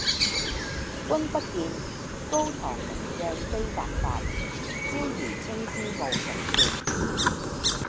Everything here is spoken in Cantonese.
君不見，高堂明鏡悲白發，朝如青絲暮成雪。